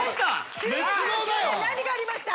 ９９年何がありました？